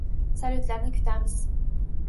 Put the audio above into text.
Salyutlarni kutamiz.